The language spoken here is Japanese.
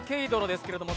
ですけれども